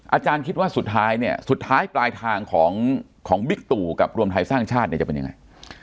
อาจารย์คิดว่าสุดท้ายเนี่ยสุดท้ายปลายทางของบิ๊กตู่กับรวมไทยสร้างชาติเนี่ยจะเป็นยังไง